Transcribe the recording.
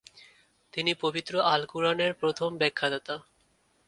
তিনি পবিত্র আল কুরআনের প্রথম ব্যাখ্যাদাতা।